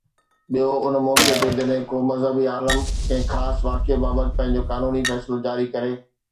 ٻيو، ان موقعي تي جڏهن ڪو مذهبي عالم ڪنهن خاص واقعي بابت پنهنجو قانوني فيصلو جاري ڪري